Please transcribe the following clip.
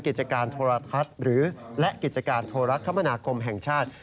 กิจการโทรทัศน์หรือและกิจการโทรคมนาคมแห่งชาติ